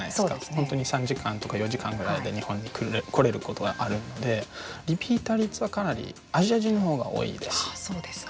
本当に３時間とか４時間ぐらいで日本に来れることがあるのでリピーター率はかなりアジア人の方が多いです。